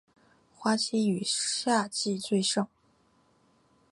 花期以夏季最盛。